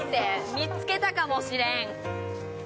見つけたかもしれん。